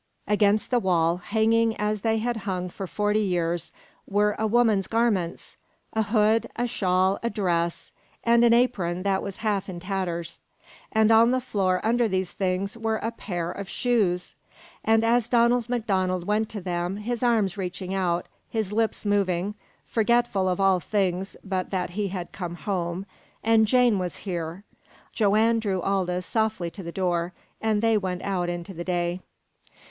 Against the wall, hanging as they had hung for forty years, were a woman's garments: a hood, a shawl, a dress, and an apron that was half in tatters; and on the floor under these things were a pair of shoes. And as Donald MacDonald went to them, his arms reaching out, his lips moving, forgetful of all things but that he had come home, and Jane was here, Joanne drew Aldous softly to the door, and they went out into the day.